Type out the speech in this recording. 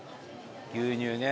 牛乳ね。